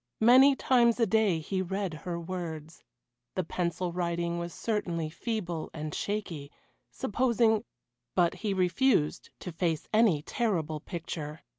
Many times a day he read her words; the pencil writing was certainly feeble and shaky supposing But he refused to face any terrible picture.